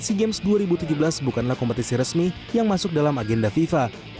sea games dua ribu tujuh belas bukanlah kompetisi resmi yang masuk dalam agenda fifa